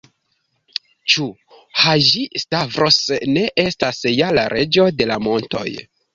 Ĉu Haĝi-Stavros ne estas ja la Reĝo de la montoj?